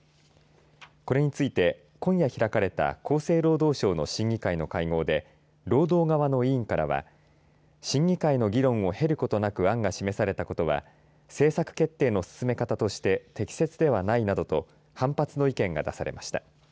これについて今夜、開かれた厚生労働省の審議会の会合で労働側の委員からは審議会の議論を経ることなく案が示されたことは政策決定の進め方として適切ではないなどと反発の意見が出されました。